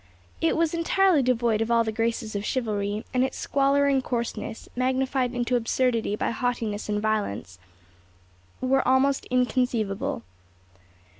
It was entirely devoid of all the graces of chivalry, and its squalor and coarseness, magnified into absurdity by haughtiness and violence, were almost inconceivable.